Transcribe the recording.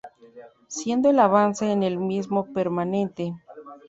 Siendo el avance en el mismo permanente.